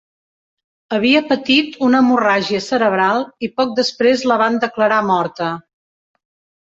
Havia patit una hemorràgia cerebral i poc després la van declarar morta.